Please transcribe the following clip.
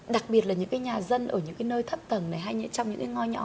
đặc biệt là những nhà dân ở những nơi thấp tầng hay trong những ngôi nhỏ